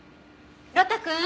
呂太くん！